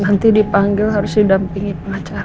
nanti dipanggil harus didampingi pengacara